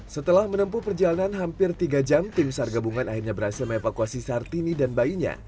setelah menempuh perjalanan hampir tiga jam tim sar gabungan akhirnya berhasil mevakuasi sartini dan bayinya